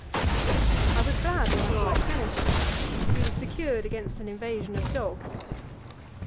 I was glad when I saw it finished; we were secured against an invasion of dogs.